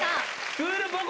クールポコ。